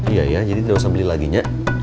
iya ya jadi tidak usah beli lagi nya